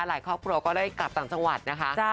ครอบครัวก็ได้กลับต่างจังหวัดนะคะ